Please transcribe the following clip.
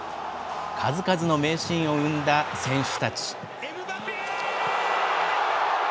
数々の名シーンを生んだ選手たち。